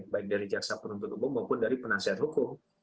baik dari jaksa penuntut umum maupun dari penasihat hukum